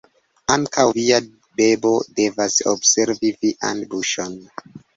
Ankaŭ via bebo devas observi vian buŝon.